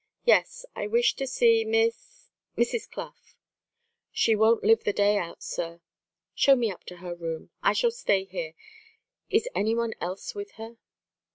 "Yes; I wish to see Miss Mrs. Clough." "She won't live the day out, sir." "Show me up to her room. I shall stay here. Is any one else with her?"